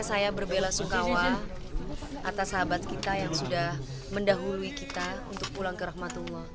saya berbela sukawa atas sahabat kita yang sudah mendahului kita untuk pulang ke rahmatullah